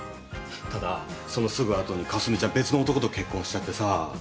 ただそのすぐ後にかすみちゃん別の男と結婚しちゃってさ。